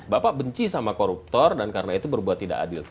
bapak benci sama koruptor dan karena itu berbuat tidak adil